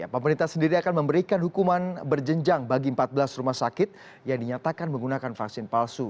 pemerintah sendiri akan memberikan hukuman berjenjang bagi empat belas rumah sakit yang dinyatakan menggunakan vaksin palsu